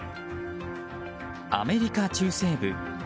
アメリカ中西部。